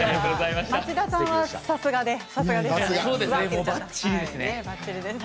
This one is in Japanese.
町田さんは、さすがですね。